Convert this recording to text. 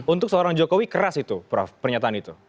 untuk seorang jokowi keras itu prof pernyataan itu